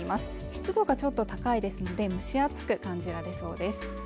湿度がちょっと高いですので蒸し暑く感じられそうです